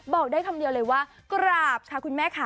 บอกได้คำเดียวเลยว่ากราบค่ะคุณแม่ค่ะ